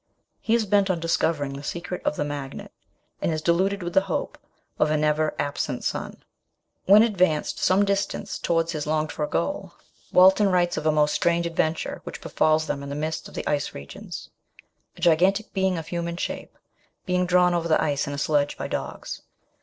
He is bent on discovering the secret of the magnet, and is deluded with the hope of a never absent sun. When advanced some distance 102 MES. SHELLEY. towards his longed for goal, Walton writes of a most strange adventure which befalls them in the midst of the ice regions a gigantic being, of human shape, being drawn over the ice in a sledge by dogs.